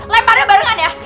leparnya barengan ya